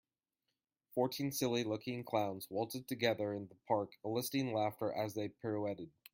Fourteen silly looking clowns waltzed together in the park eliciting laughter as they pirouetted.